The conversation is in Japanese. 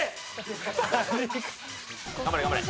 頑張れ頑張れ。